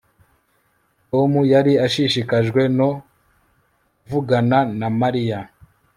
Tom yari ashishikajwe no kuvugana na Mariya